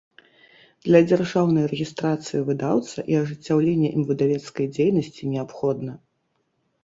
Для дзяржаўнай рэгiстрацыi выдаўца i ажыццяўлення iм выдавецкай дзейнасцi неабходна.